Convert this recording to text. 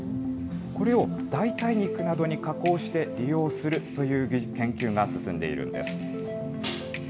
これを代替肉などに加工して、利用するという研究が進んでいるんです。